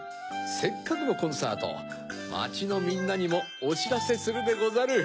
せっかくのコンサートまちのみんなにもおしらせするでござる。